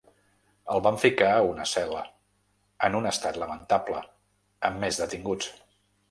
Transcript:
El van ficar a una cel·la, en un estat lamentable, amb més detinguts.